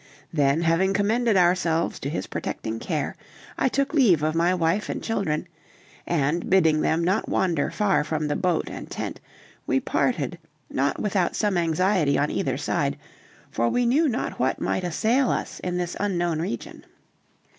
Then having commended ourselves to his protecting care, I took leave of my wife and children, and bidding them not wander far from the boat and tent, we parted not without some anxiety on either side, for we knew not what might assail us in this unknown region.